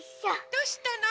どうしたの？